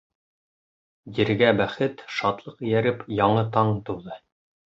Ергә бәхет, шатлыҡ эйәреп, яңы таң тыуҙы.